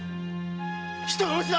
・人殺しだ！